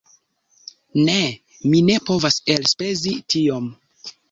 Ne, mi ne povas elspezi tiom.